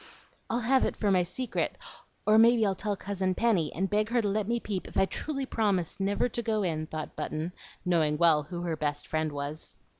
"I'll have it for my secret; or maybe I'll tell Cousin Penny, and beg her to let me peep if I truly promise never to go in," thought Button, knowing well who her best friend was.